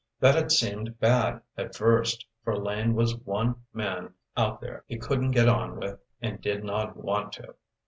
That had seemed bad at first, for Lane was one man out there he couldn't get on with and did not want to.